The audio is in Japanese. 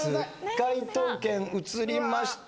解答権移りました。